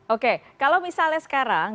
oke kalau misalnya sekarang